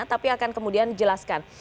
tapi akan kemudian dijelaskan